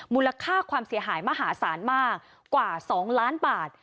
มูลค่าความเสียหายมหาศาลมากกว่า๒ล้านบาท